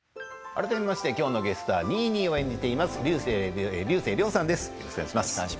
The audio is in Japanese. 改めましてきょうのゲストはニーニーを演じています竜星涼さんです。